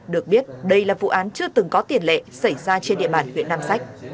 được biết đây là vụ án chưa từng có tiền lệ xảy ra trên địa bàn huyện nam sách